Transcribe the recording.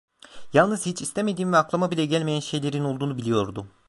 Yalnız hiç istemediğim ve aklıma bile gelmeyen şeylerin olduğunu biliyordum.